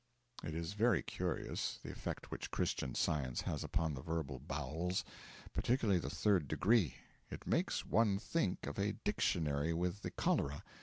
(It is very curious, the effect which Christian Science has upon the verbal bowels. Particularly the Third Degree; it makes one think of a dictionary with the cholera.